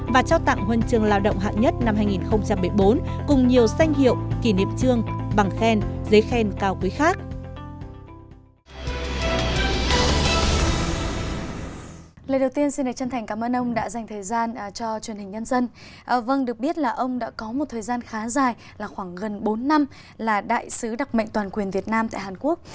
và cho tặng huân trường lao động hạng nhất năm hai nghìn một mươi bốn cùng nhiều danh hiệu kỷ niệm trương bằng khen giấy khen cao quý khác